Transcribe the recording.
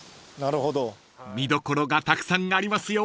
［見どころがたくさんありますよ］